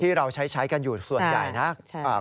ที่เราใช้กันอยู่ส่วนใหญ่นะ